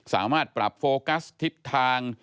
สามารถปรับโฟกัสทิศทาง